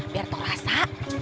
biar aku rasa